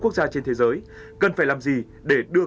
quốc gia trên thế giới cần phải làm gì để đưa